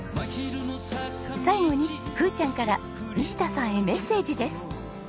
最後にふーちゃんから西田さんへメッセージです！